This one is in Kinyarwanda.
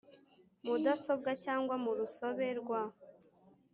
Mudasobwa cyangwa mu rusobe rwa